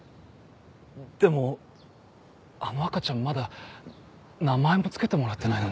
でもあの赤ちゃんまだ名前も付けてもらってないのに。